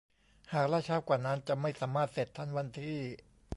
หากล่าช้ากว่านั้นจะไม่สามารถเสร็จทันวันที่